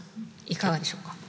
いかがでしょうか？